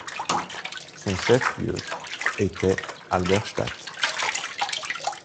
Son chef-lieu était Halberstadt.